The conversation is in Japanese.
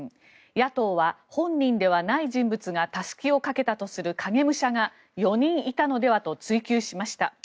野党は、本人ではない人物がたすきをかけたとする影武者が４人いたのではと追及しました。